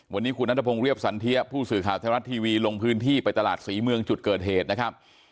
วันนี้คุณนัทพงศ์เรียบสันเทียผู้สื่อข่าวไทยรัฐทีวีลงพื้นที่ไปตลาดศรีเมืองจุดเกิดเหตุนะครับ